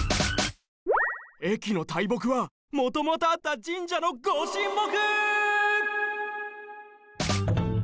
駅の大木はもともとあった神社のご神木！